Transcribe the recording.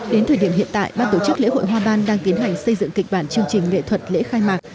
đến thời điểm hiện tại ban tổ chức lễ hội hoa ban đang tiến hành xây dựng kịch bản chương trình nghệ thuật lễ khai mạc